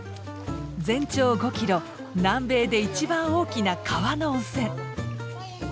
全長５キロ南米で一番大きな川の温泉。